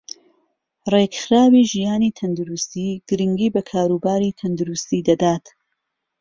رێكخراوی ژیانی تەندروستی گرنگی بە كاروباری تەندروستی دەدات